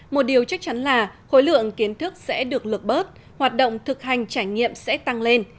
một điều chắc chắn là khối lượng kiến thức sẽ được lực bớt hoạt động thực hành trải nghiệm sẽ tăng lên